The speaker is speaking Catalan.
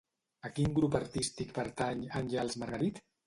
A quin grup artístic pertany Àngels Margarit?